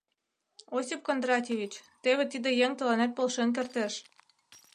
— Осип Кондратьевич, теве тиде еҥ тыланет полшен кертеш.